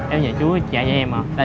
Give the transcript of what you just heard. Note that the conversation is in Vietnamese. em nhờ chú dạy cho em à